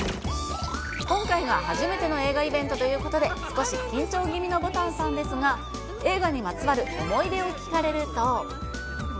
今回は初めての映画イベントということで、少し緊張気味のぼたんさんですが、映画にまつわる思い出を聞かれると。